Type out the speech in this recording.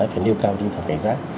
phải nêu cao tinh thần cảnh giác